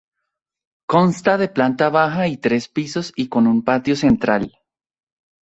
Consta de planta baja y tres pisos y con un patio central.